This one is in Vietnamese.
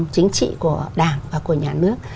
chính trị của đảng và của nhà nước